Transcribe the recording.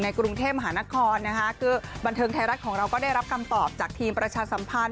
กรุงเทพมหานครนะคะคือบันเทิงไทยรัฐของเราก็ได้รับคำตอบจากทีมประชาสัมพันธ